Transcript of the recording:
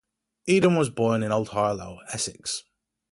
Eden was born in Old Harlow, Essex.